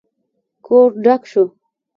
کور ډک شو.